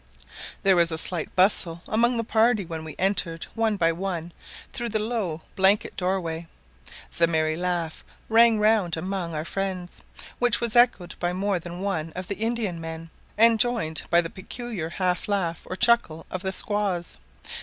There was a slight bustle among the party when we entered one by one through the low blanket doorway. The merry laugh rang round among our friends, which was echoed by more than one of the Indian men, and joined by the peculiar half laugh or chuckle of the squaws.